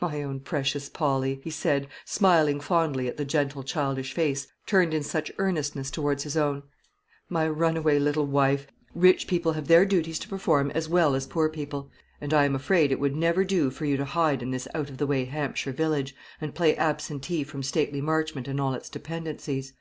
"My own precious Polly," he said, smiling fondly at the gentle childish face turned in such earnestness towards his own; "my runaway little wife, rich people have their duties to perform as well as poor people; and I am afraid it would never do for you to hide in this out of the way Hampshire village, and play absentee from stately Marchmont and all its dependencies.